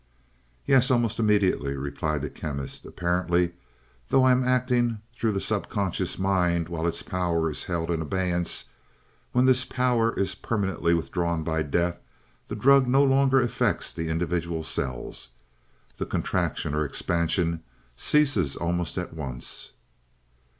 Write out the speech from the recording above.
"Yes, almost immediately," replied the Chemist. "Apparently, though I am acting through the subconscious mind while its power is held in abeyance, when this power is permanently withdrawn by death, the drug no longer affects the individual cells. The contraction or expansion ceases almost at once."